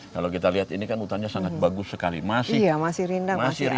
kalau kita lihat ini kan hutannya sangat bagus sekali masih rendah